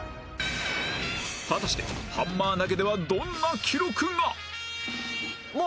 果たしてハンマー投げではどんな記録が？